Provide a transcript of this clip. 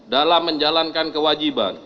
dalam menjalankan kewajiban